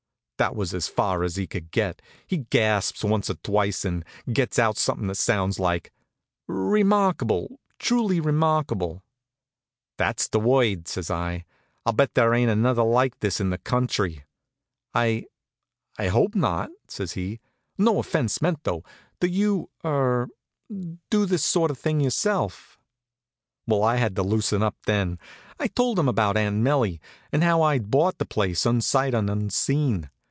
That was as far as he could get. He gasps once or twice and gets out something that sounds like "Remarkable, truly remarkable!" "That's the word," says I. "I'll bet there ain't another lot like this in the country." "I I hope not," says he. "No offence meant, though. Do you er do this sort of thing yourself?" Well, I had to loosen up then. I told him about Aunt 'Melie, and how I'd bought the place unsight and unseen.